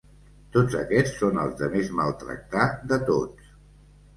Tots aquests són els de més mal tractar de tots;